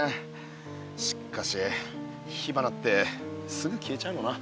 しっかし火花ってすぐ消えちゃうのな。